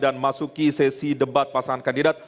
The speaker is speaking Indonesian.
dan masuki sesi debat pasangan kandidat